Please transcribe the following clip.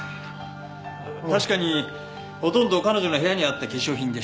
確かにほとんど彼女の部屋にあった化粧品でした。